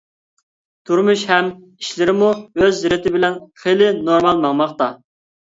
تۇرمۇش ھەم ئىشلىرىممۇ ئۆز رېتى بىلەن خېلى نورما ماڭماقتا.